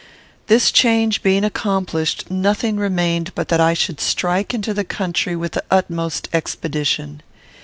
This change being accomplished, nothing remained but that I should strike into the country with the utmost expedition.